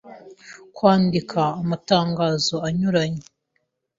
Kwandika amatangazo anyuranye